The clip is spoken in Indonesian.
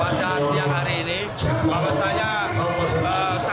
pada siang hari ini pak gubernur taman gubernur taman gubernur